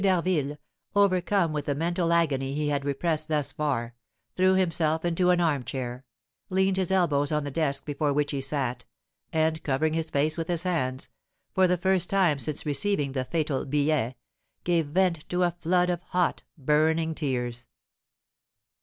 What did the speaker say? d'Harville, overcome with the mental agony he had repressed thus far, threw himself into an armchair, leaned his elbows on the desk before which he sat, and covering his face with his hands, for the first time since receiving the fatal billet, gave vent to a flood of hot, burning tears.